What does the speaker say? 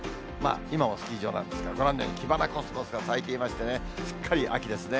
今もスキー場なんですが、ご覧のようにキバナコスモスが咲いていましてね、すっかり秋ですね。